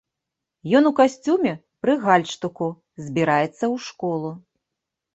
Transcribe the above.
Ён у касцюме, пры гальштуку, збіраецца ў школу.